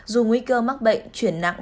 dù nguy cơ mắc bệnh chuyển nặng